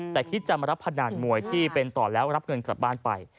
แต่คิดจะมารับขนาดมวยที่เป็นต่อแล้วรับเงินกลับบ้านไป